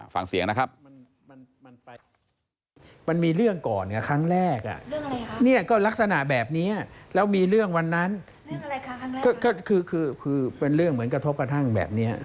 ฟังเสียงนะครับ